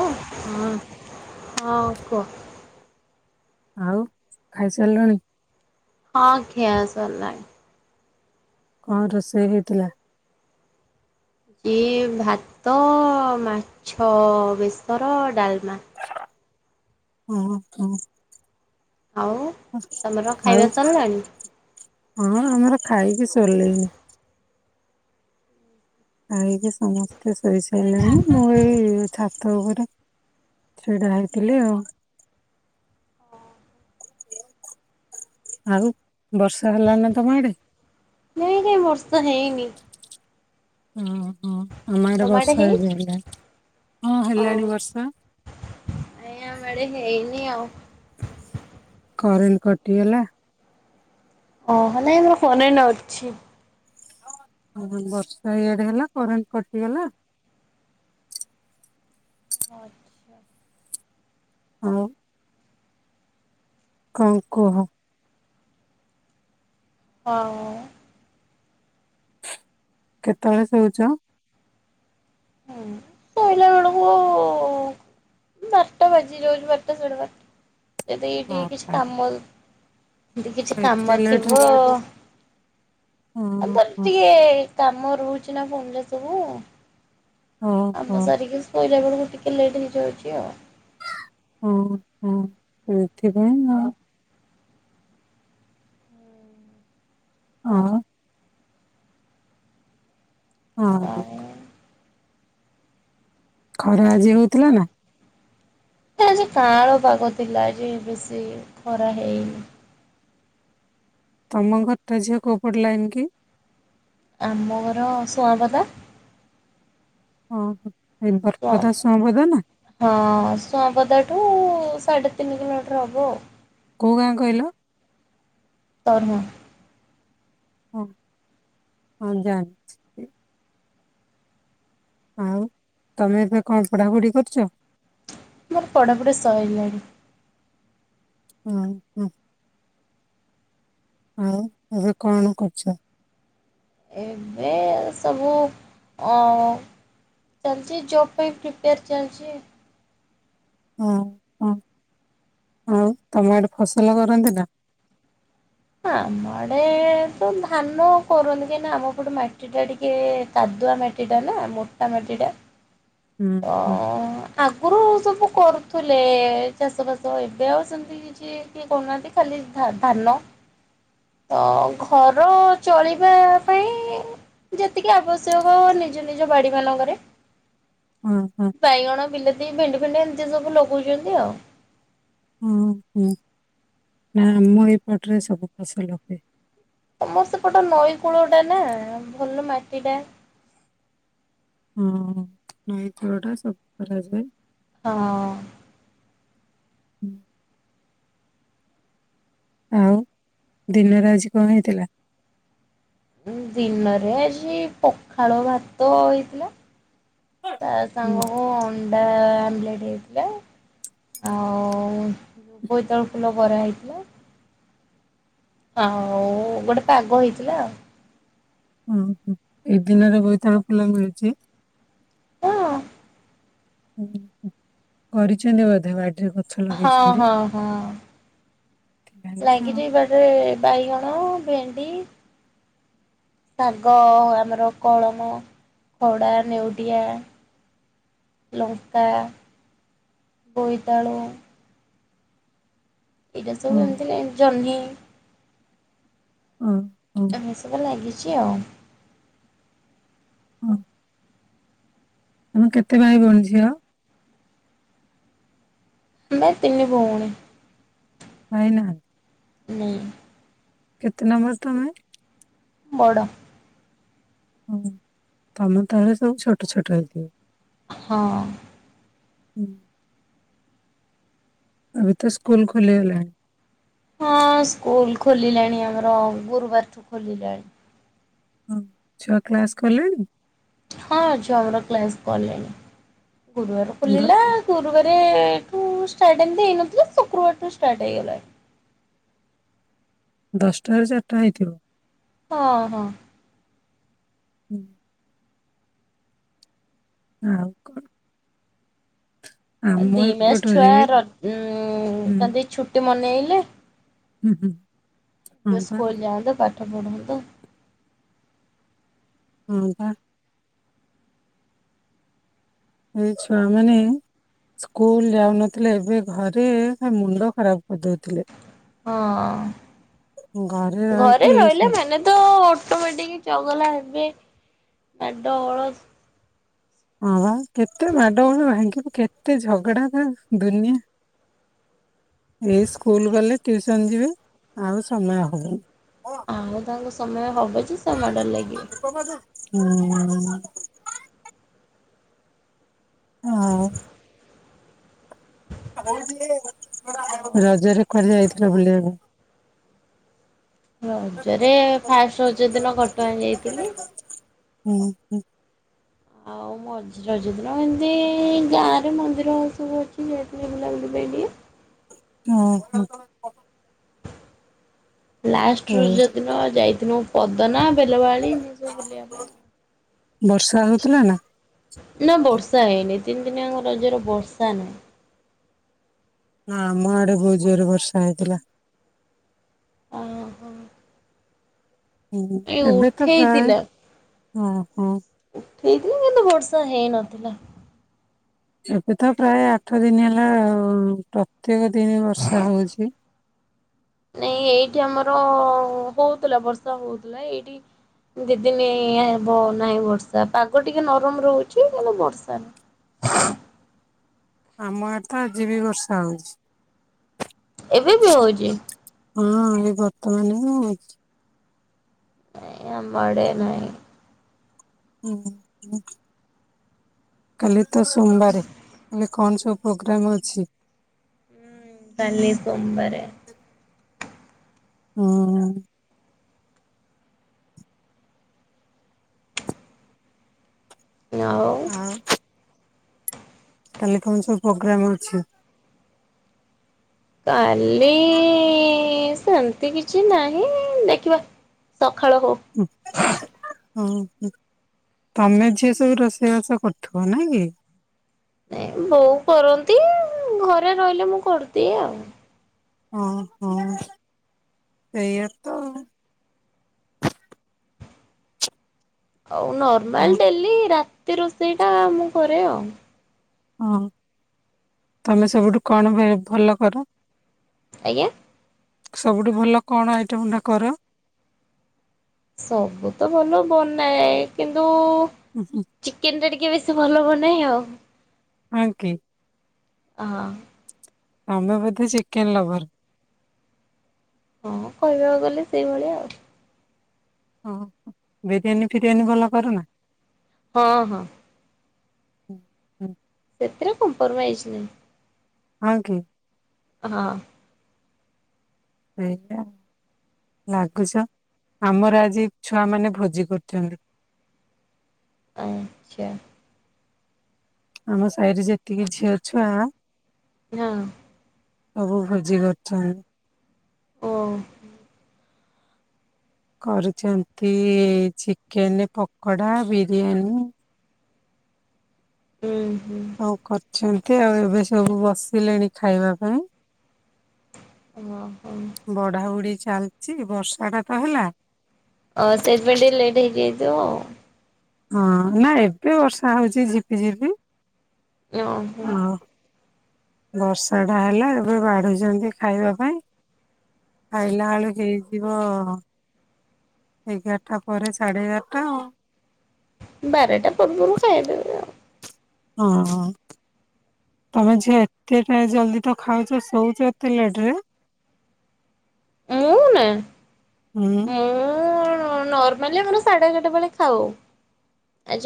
ହଁ ହୁଁ ହଁ କୁହ। ଆଉ ଖାଇସାରିଲଣି ହଁ ଖିଆ ସାରିଲାଣି କଣ ରୋଷେଇ ହେଇଥିଲା? ଏ ଭାତ, ମାଛ ବେସର, ଡାଲମା ହୁଁ ହୁଁ ଆଉ ତମର ଆଉ ଖାଇବା ସରିଲାଣି? ହଁ ଆମର ଖାଇକି ଶୋଇଲୁଣି।। ଖାଇକି ସମସ୍ତେ ଶୋଇ ସାରିଲେଣି ମୁଁ ଏଇ ଛାତ ଉପରେ ସେଇଟା ହେଇଥିଲେ ଆଉ। ଆଉ ବର୍ଷା ହେଲାନା ତମ ଆଡେ। ନାଇଁ ନାଇଁ ବର୍ଷା ହେଇନି। ହଁ ହଁ। ଆମ ଆଡେ ତମ ବର୍ଷା ହେଇଛି? ହେଲାଣି ବର୍ଷା ହଁ ଓ ହେଲାଣି ବର୍ଷା। ନାଇଁ ଆମ ଆଡ଼େ ହେଇନି ଆଉ। କରେଣ୍ଟ କଟିଗଲା। ଓହ ନାଇଁ ଆମର କରେଣ୍ଟ ଅଛି। ବର୍ଷା ଇଆଡେ ହେଲା କରେଣ୍ଟ କଟିଗଲା। ଆଚ୍ଛା। ହଉ। କଣ କୁହ। ହଁ କେତେବେଳେ ଶୋଉଚ। ହୁଁ ଶୋଇଲା ବେଳକୁ ବାରଟା ବାଜି ଯାଉଛି ବାରଟା ସାଢ଼େ ବାରଟା ଯଦି ଏଇ ଟିକେ କିଛି ବାବାରେ କାମ ଏମିତି କିଛି ଏତେ କାମ ଲେଟ୍ ଥିବ ଓହୋ [unintelligible] କାମ ରହୁଛି ନା ଫୋନ୍ ରେ ସବୁ। କାମ ଓହୋ। ସାରିକି ଶୋଇଲା ବେଳକୁ ଟିକେ ଲେଟ୍ ହେଇଯାଉଛି ଆଉ। [unintelligible] ଆଉ। ଆଉ [unintelligible] ଖରା ଆଜି ହୋଉଥିଲା ନା? ଆଜି କାଆଁଳ ପାଗ ଥିଲା। ଆଜି ବେଶୀ ଖରା ହେଇନି। ତମ ଘର ଟା ଝିଅ କୋଉ ପଟ ଲାଇନ୍ କି? ଆମ ଘର ସୁଆଁପଦା। ଓହୋ ଏଇ ସୁଆଁ ବରପଦା ସୁଆଁପଦା ନା? ହଁ ସୁଆଁପଦାଠୁ ସାଢ଼େ ତିନି କିଲୋମିଟର ହବ ଆଉ। କୋଉ ଗାଁ କହିଲ? ତରୁହାଁ। ହଁ ହଁ ଜାଣିଛି। ଆଉ ତମେ ଏବେ କଣ ପଢାପଢି କରୁଛ? ମୋର ପଢାପଢି ସଇଲାଣି। ହୁଁ ହୁଁ। ଆଉ ଏବେ କଣ କରୁଛ? ଏବେ ସବୁ ଅ ଚାଲିଚି ଜବ୍ ପାଇଁ ପ୍ରିପେୟାର୍ ଚାଲିଚି। ହୁଁ ହୁଁ ଆଉ ତମ ଆଡ଼େ ଫସଲ କରନ୍ତି ନା? ଆମ ଆଡେ ତ ଧାନ କରନ୍ତି କାହିଁକି ନା ଆମ ପଟେ ମାଟି ମାଟିଟା ଟିକେ କାଦୁଆ ମାଟି ଟା ନା ମୋଟା ମାଟି ଟା। ହୁଁ ହୁଁ। ଆଗରୁ ସବୁ କରୁଥିଲେ ଚାଷ ବାସ ଏବେ ଆଉ ସେମିତି କିଛି କି କିଏ କରୁନାହାନ୍ତି ଖାଲି ଧା ଧାନ। ତ ଘର ଚଳିବା ପାଇଁ ଯେତିକି ଆବଶ୍ୟକ ନିଜ ନିଜ ବାଡି ମାନଙ୍କରେ। ହୁଁ ହୁଁ। ବାଇଗଣ, ବିଲାତି, ଭେଣ୍ଡି ଫେଣ୍ଡି ଏମିତି ସବୁ ଲଗଉଛନ୍ତି ଆଉ। ଉଁ ହୁଁ, ନାଁ ଆମ ଏଇପଟରେ ସବୁ ଫସଲ ହୁଏ। ତମ ସେପଟ ନଈ କୂଳ ଟା ନା ଭଲ ମାଟି ଟା। ହୁଁ ନଈ କୂଳ ଟା ସବୁ କରାଯାଏ। ହଁ। ହୁଁ। ଆଉ ଦିନରେ ଆଜି କଣ ହେଇଥିଲା? ଦିନରେ ଆଜି ପଖାଳ ଭାତ ହେଇଥିଲା। ତା ହୁଁ। ସାଙ୍ଗକୁ ଅଣ୍ଡା ଆମ୍ଲେଟ୍ ହେଇଥିଲା। ଆଉ ବୋଇତାଳୁ ଫୁଲ ବରା ହେଇଥିଲା। ଆଉ ଗୋଟେ ପାଗ ହେଇଥିଲା। ଉଁ ହୁଁ ଏ ଦିନରେ ବୋଇତାଳୁ ଫୁଲ ମିଳୁଛି? ହଁ। କରିଛନ୍ତି ବୋଧେ ବାଡିରେ ଗଛ ହଁ ଲଗେଇଛନ୍ତି। ହଁ ହଁ। ହଁ ଲାଗିଛି ବାଡିରେ ବାଇଗଣ, ଭେଣ୍ଡି। ଶାଗ ଆମର କଳମ ଖଡା ନେଉଟିଆ। ଲଙ୍କା ବୋଇତାଳୁ ଏଇଟା ଓ ସବୁ ଏମିତିରେ ଜହ୍ନି ହଁ ହଁ। ଏରା ଲାଗିଛି ଆଉ। ହଁ। ତମେ କେତେ ଭାଇ ଭଉଣୀ ଝିଅ? ଆମେ ତିନି ଭଉଣୀ। ଭାଇ ନାହାନ୍ତି? ନା। କେତେ ନମ୍ବର ତମେ? ବଡ଼। ହୁଁ ତମ ତଳେ ସବୁ ଛୋଟ ଛୋଟ ହେଇଥିବେ? ହଁ। ହୁଁ। ଏବେ ତ ସ୍କୁଲ ଖୋଲିଗଲାଣି? ହଁ ସ୍କୁଲ ଖୋଲିଲାଣି ଆମର ଗୁରୁବାରଠୁ ଖୋଲିଲାଣି। ହଁ ଛୁଆ କ୍ଲାସ କଲେଣି? ହଁ ଛୁଆ ଆମରକ୍ଲାସ କଲେଣି। ଗୁରୁବାର ଦ ଖୋଲିଲା। ଗୁରୁବାରେ ଠୁ ଷ୍ଟାର୍ଟ ହେଇତନଥିଲା ଶୁକ୍ରବାର ଠୁ ଷ୍ଟାର୍ଟ ହେଇଗଲାଣି। ଦଶଟାରୁ ଚାରିଟା ହେଇଥିବ? ହଁ ହଁ। ହୁଁ। ଆଉ କଣ? [inaudible] ଦି ମାସ ଛୁଆ ଏପଟରେ ର ହୁଁ କଅନ୍ତି ଛୁଟି ମନେଇଲେ। ହୁଁ ହୁଁ। ହଁ ଏବେ ବା ସ୍କୁଲ ଯାଆନ୍ତୁ। ପାଠ ପଢନ୍ତୁ। ହୁଁ ପା। ଏଇ ଛୁଆମାନେ ସ୍କୁଲ ଯାଉନଥିଲେ ଏବେ ଘରେ ଖାଲି ମୁଣ୍ଡ ଖରାପ୍ କରିଦେଉଥିଲେ। ହଁ ଘରେ ରହିଲେ ମାନେ ତ ଅଟୋମେଟିକ୍ ଚଗଲା ହେବେ। ମାଡ ଗୋଳ। ହଁ ବା କେତେ ମାଡ଼ ଗୋଳ ଭାଙ୍ଗିବୁ। କେତେ ଝଗଡ଼ା ପା ଦୁନିଆ ଏଇ ସ୍କୁଲ ଗଲେ ଟିଉସନ୍ ଯିବେ। ଆଉ ସମୟ ହବନି। ଆଉ ତାଙ୍କୁ ସମୟ ହବ ଯେ ସେ ମାଡରେ ଲାଗିବେ। ହୁଁ। ହଁ। ଆଉ ରଜରେ କୁଆଡେ ଯାଇଥିଲ ବୁଲିବାକୁ? ରଜରେ ଫାଷ୍ଟେ ରଜ ଦିନ ଘଟଗାଁ ଯାଇଥିଲି। ହୁଁ ହୁଁ। ଆଉ ମଚ। ରଜ ଦିନ ଏମିତି ଗାଁରେ ମନ୍ଦିର ସବୁ ଅଛି। ଯାଇଥିଲି ବୁଲାବୁଲି ପେଇଁ ଟିକିଏ। ଓହୋ। ଲାଷ୍ଟ ରଜ ଦିନ ଯାଇଥିନୁ ପଦନା ବେଲବାଳି। ସବୁ ବୁଲିବା ପାଇଁ ଆଉ। ବର୍ଷା ହେଉଥିଲା ନା। ନା ବର୍ଷା ହେଇନି। ତିନି ଦିନିଆଙ୍କ ରଜରେ ବର୍ଷା ନାହିଁ। ହଁ ଆମ ଆଡେ ବୋହୁତ ଯୋରେ ବର୍ଷା ହେଉଥିଲା। ଓହୋ। ହୁଁ ଏଇ ଏବେ ତ ପ୍ରାୟ ଉଠେଇଥିଲା ହ ହଁ। ଉଠେଇଥିଲା କିନ୍ତୁ ବର୍ଷା ହେଇନଥିଲା। ଏବେ ତ ପ୍ରାୟ ଆଠ ଦିନ ହେଲା ଆଉ ପ୍ରତ୍ୟେକ ଦିନ ବର୍ଷା ହଉଛି। ନାଇଁ ଏଇଠି ଆମର ହଉଥିଲା ବର୍ଷା ହଉଥିଲା ଏଇଠି। ଦୁଇ ଦିନ ହେବ ନାହିଁ ବର୍ଷା ପାଗ ଟିକେ ନରମ ରହୁଛି କିନ୍ତୁ ବର୍ଷା ନାହିଁ। ଆମ ଆଡ଼େତ ଆଯିବି ବର୍ଷା ହଉଛି। ଏବେ ବି ହଉଛି। ହଁ ଏ ବର୍ତ୍ତମାନ କୁ। ଏ ଅମ ଆଡ଼େ ନାହିଁ। [unintelligible] କାଲି ତ ସୋମବାରେ କାଲି କଣ ସବୁ ପ୍ରୋଗ୍ରାମ ଅଛି। କାଲି ସମୋବାରେ। ହୁଁ। ଏ ଆଉ। କାଲି ତମ ସବୁ ପ୍ରୋଗ୍ରାମ୍ ଅଛି। କାଲି--ସେମିତି କିଛି ନାହିଁ ଦେଖିବା। ସଖାଳ ହଉ। ହୁଁ ହୁଁ ହଁ। ତମେ ଝିଅ ସବୁ ରୋଷେଇ ବାସ କରୁଥିବ ନାଇଁ କି? ନାଇଁ ବୋଉ କରନ୍ତି, ଘରେ ରହିଲେ ମୁଁ କରଦିଏ ଆଉ। ଓ ହୋଁ ସେଇଆ ତ। ଆଉ ହଁ ନର୍ମାଲ ଡେଲି ରାତି ରୋଷେଇ ଟା ମୁଁ କରେ ଆଉ। ହଁ ତମେ ସବୁଠୁ କଣ [unintelligible] ଭଲ କର। ଆଜ୍ଞା। ସବୁଠୁ ଭଲ କଣ ଆଇଟମ ଟା କର। ସବୁତ ଭଲ ବନାଏ କିନ୍ତୁ ହୁଁ ହୁଁ। ଚିକେନ ଟା ଟିକେ ବେଶି ଭଲ ବନାଏ ଆଉ। ହଁ କି? ହଁ। ତମେ ବୋଧେ ଚିକେନ ଲଭର। ହଁ କହିବାକୁ ଗଲେ ସେଇଭଳିଆ ଆଉ। ହଁ ବିରିୟାନୀ ଫିରିୟାନୀ ଭଲ କର ନା। ହଁ ହଁ। ହୁଁ, ସେଥିରେ କମ୍ପର ମାଇଜ ନାହିଁ। ହଁ କି? ହଁ। ଏଇା ଲାଗୁଛ ଆମର ଆଜି ଛୁଆ ମାନେ ଭୋଜି କରୁଛନ୍ତି। ଆଜ୍ଞା। ଆମ ସାହିରେ ଯେତିକି ଝିଅ ଛୁଆ ୟ ସବୁ ଭୋଜି କରୁଚନ୍ତି। ଓ କରୁଚନ୍ତି ଚିକେନ ପକୋଡା ବିରିୟାନୀ। ହୁଁ ହୁଁ। କରିଚନ୍ତି ଆଉ ଏବେ ସବୁ ବସିଲେଣି ଖାଇବା ପାଇଁ। ଅହ। ବଢା ବୁଢି ଚାଲିଚି ବର୍ଷା ଟା ତ ହେଲା। ଅ ସେଇଥିପାଇଁ ଟିକେ ଲେଟ୍ ହେଇଯାଇଥିବ ଆଉ। ହଁ ନା ଏବେ ବର୍ଷା ହଉଚି ଝିପି ଝିପି। ୟେ ଓହୋ ଆଉ ବର୍ଷା ଟା ହେଲା ଏବେ ବାଢୁଛନ୍ତି ଖାଇବା ପାଇଁ। ଖାଇଲା ଆଳୁ ହେଇଯିବ ଏଗାରଟା ପରେ ସାଢେ ଏଗାରଟା ଆଉ। ବାରଟା ପୂର୍ବରୁ ଖାଇଦେବେ। ଆଉ ହଁ। ତମେ ଝିଅ ଏତେ ଟ ଜଲଦି ତ ଖାଉଛ ଶୋଉଛ ଏତେ ଲେଟ୍ ରେ? ମୁଁନା ହୁଁ ମୁଁ ନର୍ମାଲି ଆମର ସାଢେ ଏଗେଟା ବେଳେ ଖାଉ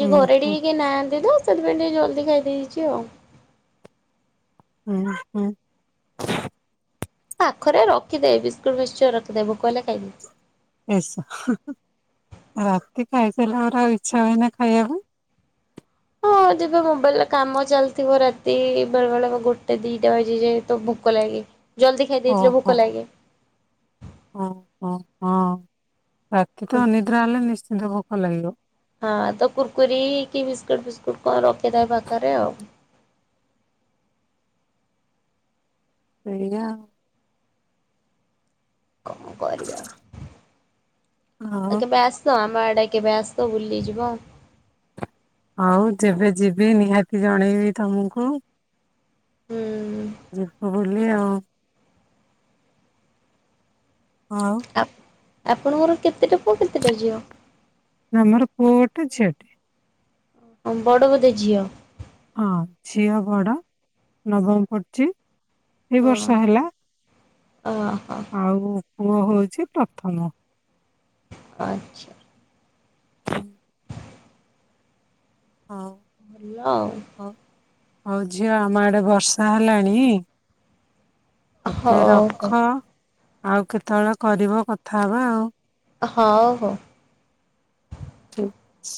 ହୁଁ ଘରେ ହୁଁ ଟିକ କିଏ ନାହାନ୍ତି ତ ସେଥିପାଇଁ ଟିକେ ଜଲ୍ଦି ଖାଇ ଦେଇଚି ଆଉ। ଉଁ ହୁଁ। ପାଖରେ ରଖିଦେବ ବିସ୍କୁଟ୍ ମିକ୍ସଚର ରଖିଦେବେ ଭୋକ ହେଲେ ଖାଇବି। ଏ ସ ରାତି ଖାଇସାରିଲା ପରେ ଆଉ ଇଚ୍ଛା ହୁଏନା ଖାଇବା କୁ? ହଁ ଯେବେ ମୋବାଇଲରେ କାମ ଚାଲିଥିବ ରାତି ବେଳେ ବେଳେ ଗୋଟେ ଦିଟା ବାଜିଯାଏ ତ ଭୋକ ଲାଗେ ଜଲ୍ଦି ଖାଇ ଦେଇଥିଲେ ଭୋକ ଲାଗେ। ଓ ହୋ ହଁ ରାତି ତ ଅନିଦ୍ରା ହେଲେ ନିଶ୍ଚିନ୍ତ ଭୋକ ଲାଗିବ। ହଁ ତ କୁର୍କୁରି କି ବିସ୍କୁଟ ଫିସ୍କୁଟ କଣ ରଖିଥାଏ ପାଖରେ ଆଉ। ସେଇୟା କଣ କରିବା ଆଉ ଆଉ କେବେ ଆ ତ ଆମ ଆଡେ କେବେ ଆସ ବୁଲିଯିବ। ଆଉ ଯେବେ ଯିବି ନିହାତି ଜଣେଇବି ତମକୁ। ହୁଁ। ଯିବ ବୁଲି ଆଉ। ହଁ। ଆପଣଙ୍କର କେତେଟା ପୁଅ କେତେଟା ଝିଅ? ଆମର ପୁଅ ଗୋଟେ ଝିଅଟେ। ହଁ ବଡ଼ ବୋଧେ ଝିଅ? ହଁ ଝିଅ ବଡ ନବମ ପଢୁଚି। ଏଇ ହଁ ବର୍ଷ ହେଲା ଓହୋ ଆଉ ପୁଅ ହଉଚି ପ୍ରଥମ। ଆଚ୍ଛା। ହଁ। ଭଲ ଆଉ। ହଉ ହଉ ଝିଅ ଆମ ଆଡେ ବର୍ଷା ହେଲାଣି ଏବେ ହଉ ହଉ ରଖ ଆଉ କେତେବେଳେ କରିବ କଥା ହବା ଆଉ। ହଉ ହଉ। ଠିକ୍ ଛି